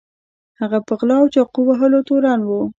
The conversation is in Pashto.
هغه په غلا او چاقو وهلو تورن و.